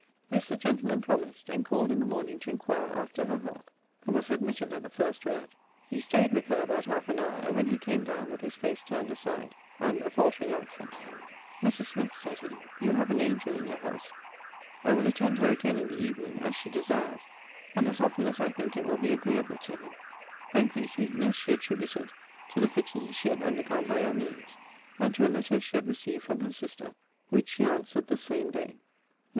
This the gentleman promised: and called in the morning to inquire after her health; and was admitted at the first word. He staid with her about half an hour; and when he came down, with his face turned aside, and a faltering accent, 'Mrs. Smith,' said he, 'you have an angel in your house. I will attend her again in the evening, as she desires, and as often as I think it will be agreeable to her.' Her increased weakness she attributed to the fatigues she had undergone by your means; and to a letter she had received from her sister, which she answered the same day. Mrs.